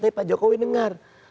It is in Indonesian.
tapi pak jokowi dengar